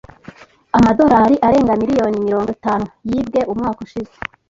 Amadolari arenga miliyoni mirongo itanu yibwe umwaka ushize.